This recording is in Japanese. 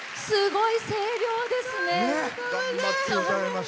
すごい声量ですね。